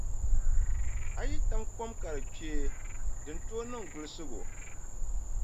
A yi tam kom ka di kpee di ni tooi niŋ gulisigu.